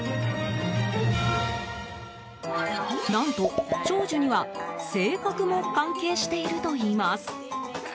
何と、長寿には性格も関係しているといいます。